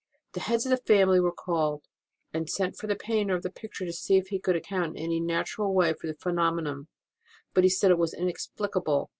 The heads of the family were called, and sent for the painter of the picture to see if he could account in any natural way for the phenomenon, but he said it was inex plicable.